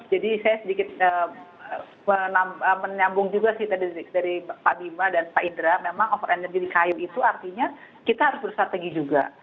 jadi saya sedikit menambung juga sih tadi dari pak bima dan pak indra memang over energy di kayu itu artinya kita harus berstrategi juga